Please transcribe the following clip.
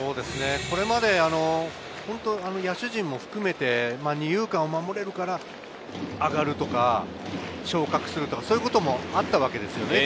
これまで野手陣も含めて、二遊間を守れるから上がるとか、昇格するとか、そういうこともあったわけですよね。